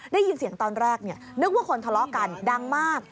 ได้ยินเสียงตอนแรกนึกว่าคนทะเลาะกันดังมาก